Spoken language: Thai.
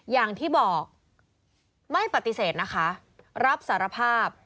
อย่างที่บอกไม่ปฏิเสธนะคะรับสารภาพ